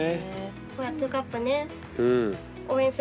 ワールドカップね応援するんだよね。